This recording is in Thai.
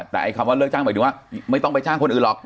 แต่คำว่าเลิกจ้างหมายถึงว่าไม่ต้องไปจ้างคนอื่นหรอก